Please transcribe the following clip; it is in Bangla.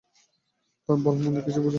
তার ভাল-মন্দ কিছুই আমি জানব না?